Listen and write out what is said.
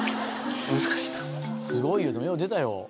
すごいよでもよう出たよ